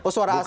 oh suara asli